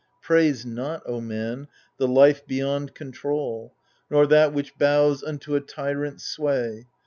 Praise not, O man, the life beyond control, Nor that which bows unto a tyrant's sway.